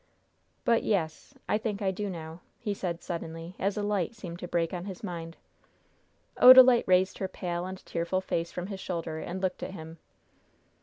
"But yes I think I do now," he said, suddenly, as a light seemed to break on his mind. Odalite raised her pale and tearful face from his shoulder and looked at him.